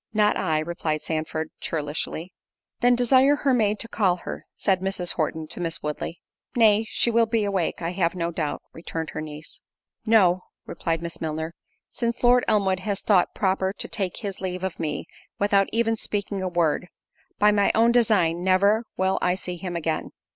"Not I," replied Sandford, churlishly. "Then desire her maid to call her:" said Mrs. Horton to Miss Woodley. "Nay, she will be awake, I have no doubt;" returned her niece. "No;" replied Miss Milner, "since Lord Elmwood has thought proper to take his leave of me, without even speaking a word; by my own design, never will I see him again."